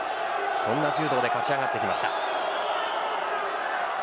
そんな柔道で勝ち上がってきました。